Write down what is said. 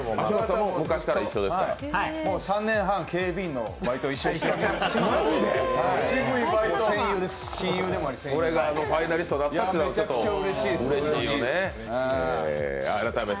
もう３年半、警備員のバイト一緒にやってて。